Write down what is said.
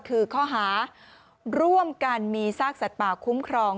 คือข้อหาร่วมกันมีซากสัตว์ป่าคุ้มครอง